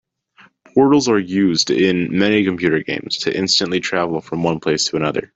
Portals are used in many computer games to instantly travel from one place to another.